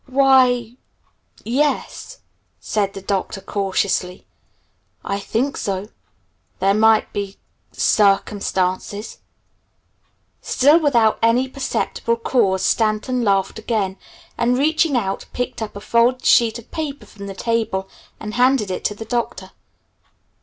"Why y e s," said the Doctor cautiously, "I think so. There might be circumstances " Still without any perceptible cause, Stanton laughed again, and reaching out, picked up a folded sheet of paper from the table and handed it to the Doctor.